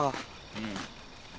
うん。